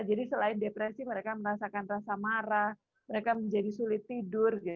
jadi selain depresi mereka merasakan rasa marah mereka menjadi sulit tidur